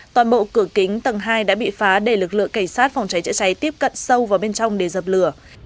toàn bộ cửa kính tầng hai đã bị phá để lực lượng cảnh sát phòng cháy chữa cháy tiếp cận sâu vào bên trong để dập lửa